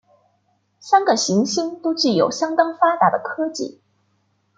三个行星都具有相当发达的科技。